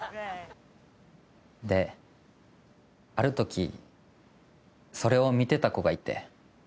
である時それを見てた子がいて。